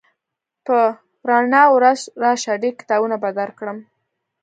په رڼا ورځ راشه ډېر کتابونه به درکړم